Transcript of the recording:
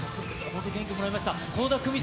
本当に元気をもらいました。